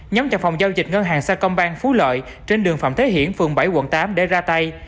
nhóm trạng phòng giao dịch ngân hàng sa công bang phú lợi trên đường phạm thế hiển phường bảy quận tám để ra tay